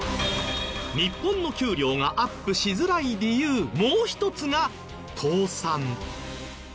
日本の給料がアップしづらい理由もう一つが倒産。